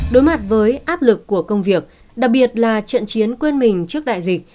đối mặt với áp lực của công việc đặc biệt là trận chiến quên mình trước đại dịch